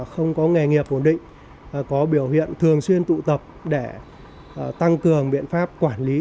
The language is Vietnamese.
không có nghề nghiệp ổn định có biểu hiện thường xuyên tụ tập để tăng cường biện pháp quản lý